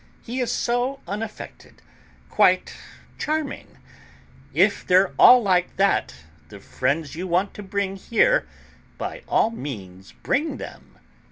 "He is so unaffected, quite charming. If they're all like that, the friends you want to bring here, by all means bring them."